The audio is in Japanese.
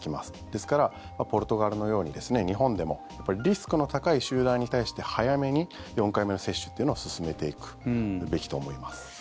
ですからポルトガルのように日本でもリスクの高い集団に対して早めに４回目の接種というのを進めていくべきと思います。